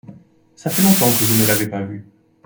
Ça fait longtemps que je ne l’avais pas vue.